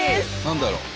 何だろう？